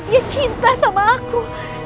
dia cinta sama aku